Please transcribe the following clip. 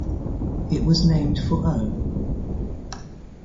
It was named for O.